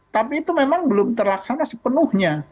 tapi itu memang belum terlaksana sepenuhnya